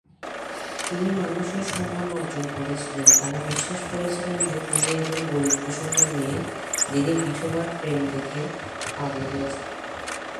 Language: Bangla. তিনি মানুষের সম্মান অর্জন করেছিলেন, তারা বিশ্বাস করেছিলেন যে তিনি একজন গরিব কৃষকের মেয়ে, যিনি বিঠোবার প্রেম দেখে পাগল হয়েছেন।